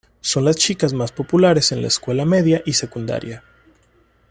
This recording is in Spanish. Son las chicas más populares en la escuela media y secundaria.